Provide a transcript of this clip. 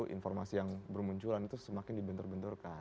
informasi yang bermunculan itu semakin dibentur benturkan